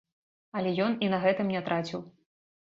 Але ён і на гэтым не траціў.